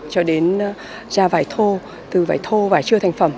cho đến ra vải thô từ vải thô vải chưa thành phẩm